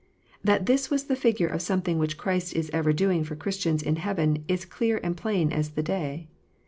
That this was the figure of something which Christ is ever doing for Christians in heaven, is clear and plain as the day.